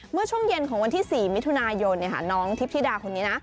เมื่อช่วงเย็นของวันที่๔มิถุนายนน้องทิพธิดาคนนี้นะ